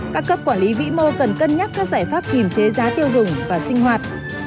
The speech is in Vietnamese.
các cấp quản lý vĩ mô cần cân nhắc các giải pháp kìm chế giá tiêu dùng và sinh hoạt